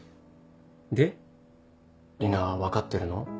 で里奈は分かってるの？